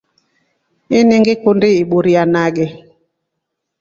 Ini ngikundi iburia nage.